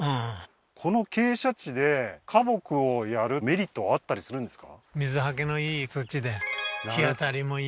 この傾斜地で花木をやるメリットはあったりするんですか？